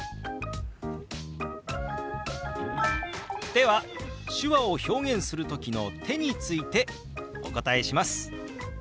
では手話を表現する時の「手」についてお答えします。